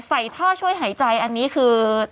ใส่ท่อช่วยหายใจอันนี้คือ